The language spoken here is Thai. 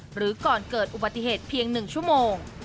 หรือก่อนเกิดอุบัติเหตุเพียง๑ชั่วโมง